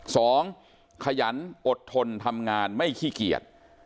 ขยันอดทนทำงานไม่ขี้เกียจ